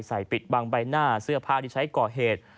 ปิดบังใบหน้าเสื้อผ้าที่ใช้ก่อเหตุ